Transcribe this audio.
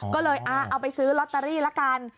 ก็เลยเอาไปซื้อลอตเตอรี่ละกัน